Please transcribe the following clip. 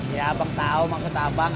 ya abang tahu maksud abang